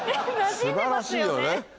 素晴らしいよね。